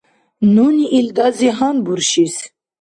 Нуни илдази гьанбуршис.